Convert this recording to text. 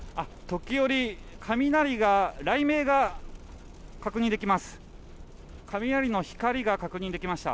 時折、雷鳴が確認できます。